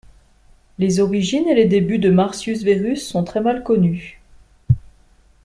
Les origines et les débuts de Martius Verus sont très mal connus.